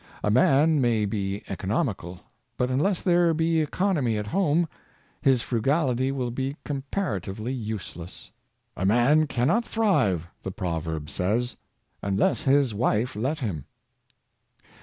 A man may be econ omical, but unless there be economy at home, his fru gality will be comparatively useless. ^' A man cannot thrive," the proverb says, ^'unless his wife let him."